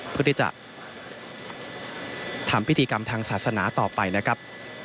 เพื่อที่จะทำพิธีกรรมทางศาสนาต่อไปนะครับ